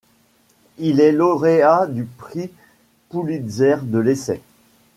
Il est lauréat du prix Pulitzer de l'essai.